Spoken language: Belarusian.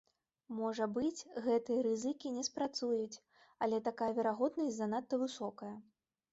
Можа быць, гэтыя рызыкі не спрацуюць, але такая верагоднасць занадта высокая.